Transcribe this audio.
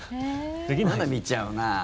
まだ見ちゃうな。